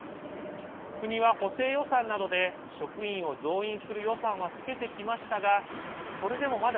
国は、補正予算などで職員を増員する予算はつけてきましたがそれでも、まだ